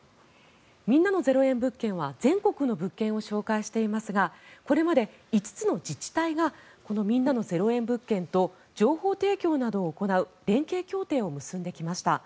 みんなの０円物件は全国の物件を紹介していますがこれまで５つの自治体がこのみんなの０円物件と情報提供などを行う連携協定を結んできました。